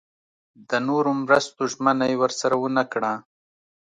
د نورو مرستو ژمنه یې ورسره ونه کړه.